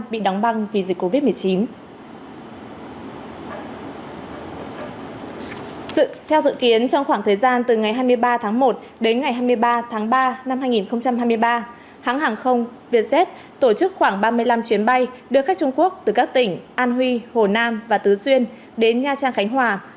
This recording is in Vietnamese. hãng hàng không vietjet đã hạ cánh tại sân bay quốc tế cam ranh